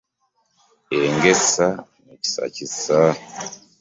Enge essa n'ekisa kissa.